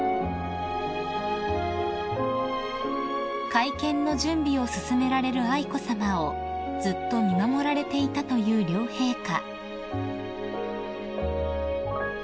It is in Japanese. ［会見の準備を進められる愛子さまをずっと見守られていたという両陛下］